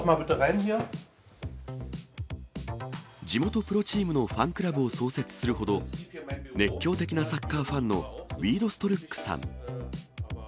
地元プロチームのファンクラブを創設するほど、熱狂的なサッカーファンのウィードストルックさん。